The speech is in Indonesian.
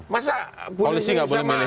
masa polisi tidak boleh milih